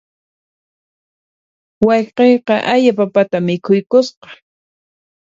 Wayqiyqa haya papata mikhuykusqa.